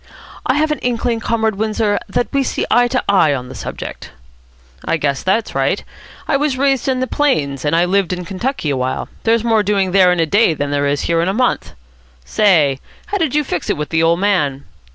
"I have an inkling, Comrade Windsor, that we see eye to eye on the subject." "I guess that's right. I was raised in the plains, and I lived in Kentucky a while. There's more doing there in a day than there is here in a month. Say, how did you fix it with the old man?"